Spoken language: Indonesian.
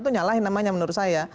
itu nyalahin namanya menurut saya